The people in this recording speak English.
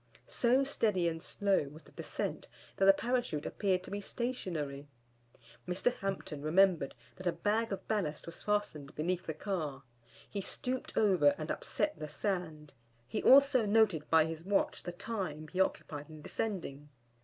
So steady and slow was the descent that the Parachute appeared to be stationary. Mr. Hampton remembered that a bag of ballast was fastened beneath the car, he stooped over and upset the sand, he also noted by his watch the time he occupied in descending.